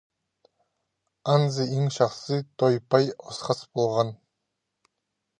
Анзы иң чахсы той-пай осхас полған.